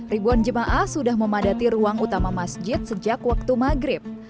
ribuan jemaah sudah memadati ruang utama masjid sejak waktu maghrib